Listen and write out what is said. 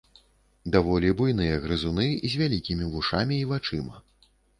Даволі буйныя грызуны з вялікімі вушамі і вачыма.